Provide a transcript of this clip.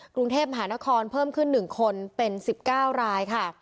กรุงเทพมหานครเพิ่มขึ้น๑คนเป็น๑๙รายค่ะ